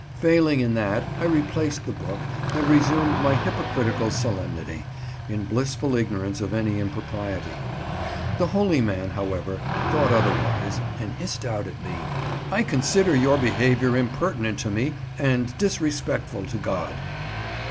Failing in that I replaced the book, and resumed my hypocritical solemnity, in blissful ignorance of any impropriety. The holy man, however, thought otherwise, and hissed out at me— "I consider your behaviour impertinent to me, and disrespectful to God."